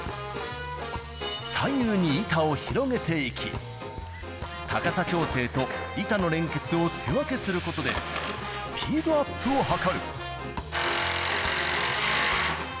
左右に板を広げていき、高さ調整と板の連結を手分けすることで、スピードアップを図る。